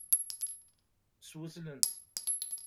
Swezlen-t.